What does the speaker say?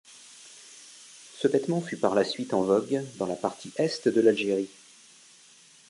Ce vêtement fut par la suite en vogue dans la partie Est de l'Algérie.